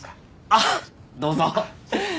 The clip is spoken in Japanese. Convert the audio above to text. あっどうぞ。